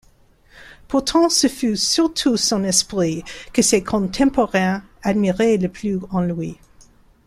Pourtant ce fut surtout son esprit que ses contemporains admiraient le plus en lui.